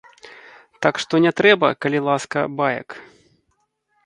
Так што не трэба, калі ласка, баек.